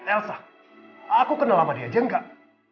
elsa aku kenal sama dia aja enggak